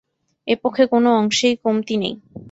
এ পক্ষে কোনো অংশেই কমতি নেই।